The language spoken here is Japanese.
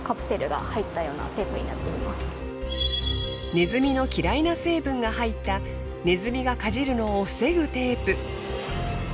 ネズミの嫌いな成分が入ったネズミがかじるのを防ぐテープ。